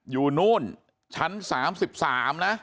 อยู่นู้นชั้นสามสิบสามนะ